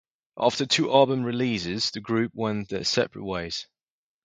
After two album releases, the group went their separate ways.